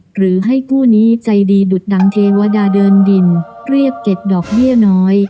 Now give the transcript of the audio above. หรือให้คู่นี้ใจดีดุดดังเทวดาเดินดินเรียกเก็บดอกเบี้ยน้อย